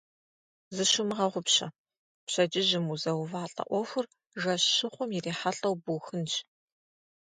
Зыщумыгъэгъупщэ: пщэдджыжьым узэувалӀэ Ӏуэхур жэщ щыхъум ирихьэлӀэу бухынщ.